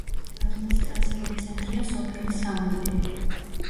ადმინისტრაციული ცენტრია სოფელი სამუილი.